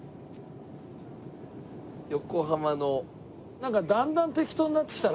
なんかだんだん適当になってきたな